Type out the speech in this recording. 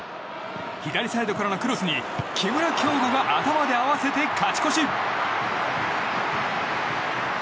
左サイドからのクロスに木村匡吾が頭で合わせて勝ち越し。